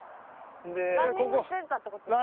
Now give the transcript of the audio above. ランニングしてたって事ですか？